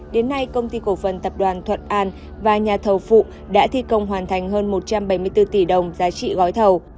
đến nay công ty cổ phần tập đoàn thuận an và nhà thầu phụ đã thi công hoàn thành hơn một trăm bảy mươi bốn tỷ đồng giá trị gói thầu